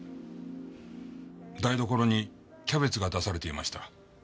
台所にキャベツが出されていました。